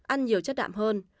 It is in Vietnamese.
ăn nhiều chất đạm hơn